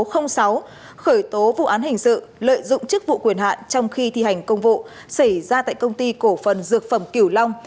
khởi tố vụ án hình sự lợi dụng chức vụ quyền hạn trong khi thi hành công vụ xảy ra tại công ty cổ phần dược phẩm kiểu long